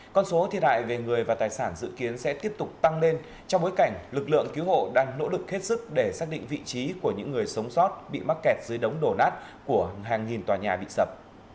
con số thiệt hại về người và tài sản dự kiến sẽ tiếp tục tăng lên trong bối cảnh lực lượng cứu hộ đang nỗ lực hết sức để xác định vị trí của những người sống sót bị mắc kẹt dưới đống đổ nát của hàng nghìn tòa nhà bị sập